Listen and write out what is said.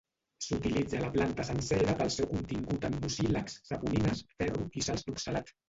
S'utilitza la planta sencera pel seu contingut en mucílags, saponines, ferro, i sals d'oxalat.